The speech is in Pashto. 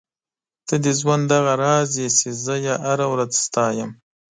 ته د ژوند هغه راز یې چې زه یې هره ورځ ستایم.